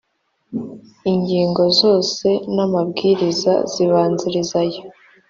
ingingo zose n amabwiriza zibanziriza aya